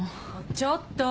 ちょっと！